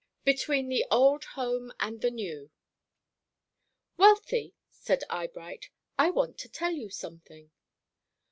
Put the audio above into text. BETWEEN THE OLD HOME AND THE NEW. "Wealthy," said Eyebright, "I want to tell you something."